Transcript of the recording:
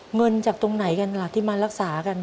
เงินจากตรงไหนกันล่ะที่มารักษากัน